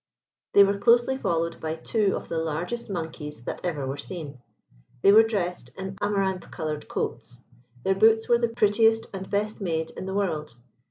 They were closely followed by two of the largest monkeys that ever were seen. They were dressed in amaranth coloured coats. Their boots were the prettiest and best made in the world.